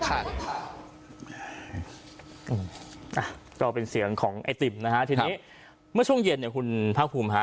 ก็เป็นเสียงของไอติมนะฮะทีนี้เมื่อช่วงเย็นเนี่ยคุณภาคภูมิฮะ